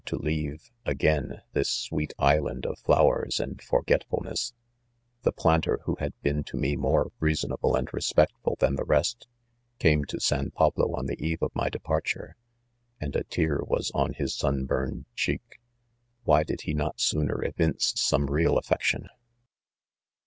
to leave, again, this 1 sweet island of flow ers: and forgetfuTness, 4 The planter,, who had been to me more reasonable and respectful than the rest, eame to S&n Pablo on the eve of my departure , and a tear was on his sun burned cheek. Why did he not sooner evince some .real ' affection.